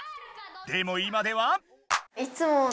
でも今では！